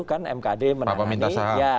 kan mkd menangani